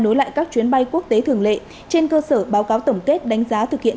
nối lại các chuyến bay quốc tế thường lệ trên cơ sở báo cáo tổng kết đánh giá thực hiện